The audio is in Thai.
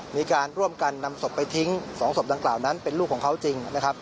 มีการร่วมกันนำศพไปทิ้ง๒ศพดังกล่าวนั้นเป็นลูกของเขาจริงนะครับ